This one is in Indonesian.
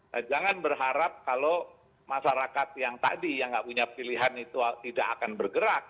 nah jangan berharap kalau masyarakat yang tadi yang nggak punya pilihan itu tidak akan bergerak